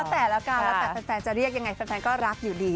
แต่แฟนจะเรียกยังไงแฟนก็รักอยู่ดี